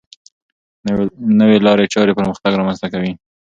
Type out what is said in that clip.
نوې لارې چارې پرمختګ رامنځته کوي.